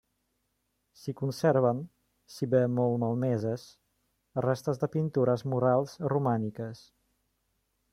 S'hi conserven, si bé molt malmeses, restes de pintures murals romàniques.